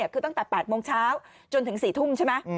คือตั้งแต่๘โมงเช้าจนถึง๔ทุ่มใช่ไหม